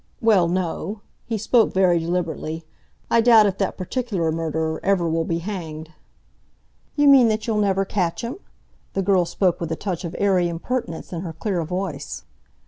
"Well, no." He spoke very deliberately. "I doubt if that particular murderer ever will be hanged." "You mean that you'll never catch him?" the girl spoke with a touch of airy impertinence in her clear voice.